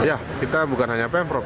ya kita bukan hanya pemprov